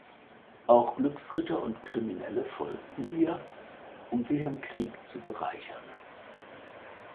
Auch Glücksritter und Kriminelle folgten ihr, um sich am Krieg zu bereichern.